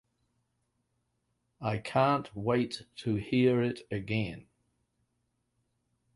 I can’t wait to hear it again.